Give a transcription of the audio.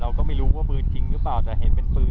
เราก็ไม่รู้ว่าปืนจริงหรือเปล่าแต่เห็นเป็นปืน